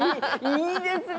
いいですね！